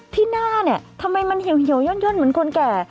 ที่หน้าเนี่ยทำไมมันเหี่ยวย่อนเหมือนคนแก่